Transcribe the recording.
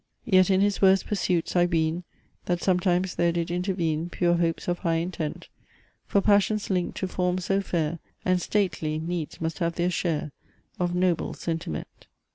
Yet in his worst pursuits, I ween, That sometimes there did intervene Pure hopes of high intent For passions linked to forms so fair And stately, needs must have their share Of noble sentiment."